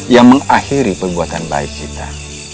yang mengakhiri perbuatan baik kita